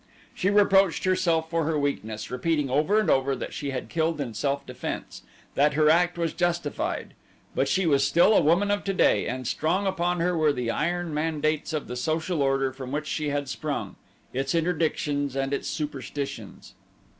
She reproached herself for her weakness, repeating over and over that she had killed in self defense, that her act was justified; but she was still a woman of today, and strong upon her were the iron mandates of the social order from which she had sprung, its interdictions and its superstitions.